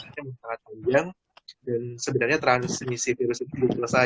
saya sangat menjeng dan sebenarnya transmisi virus itu sudah selesai